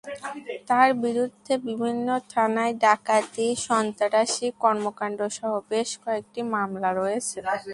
তাঁর বিরুদ্ধে বিভিন্ন থানায় ডাকাতি, সন্ত্রাসী কর্মকাণ্ডসহ বেশ কয়েকটি মামলা রয়েছে।